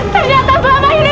ternyata selama ini